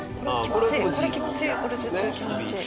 これ絶対気持ちいい。